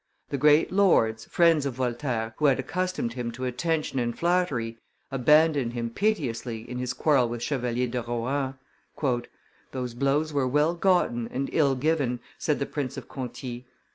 The great lords, friends of Voltaire, who had accustomed him to attention and flattery, abandoned him pitilessly in his quarrel with Chevalier de Rohan. "Those blows were well gotten and ill given," said the Prince of Conti.